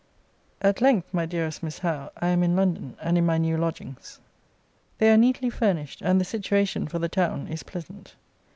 At length, my dearest Miss Howe, I am in London, and in my new lodgings. They are neatly furnished, and the situation, for the town, is pleasant.